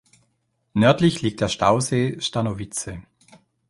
Nördlich liegt der Stausee Stanovice.